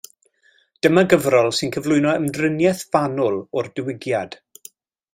Dyma gyfrol sy'n cyflwyno ymdriniaeth fanwl o'r Diwygiad.